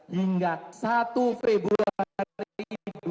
hingga satu februari dua ribu delapan belas